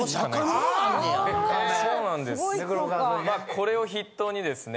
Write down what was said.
これを筆頭にですね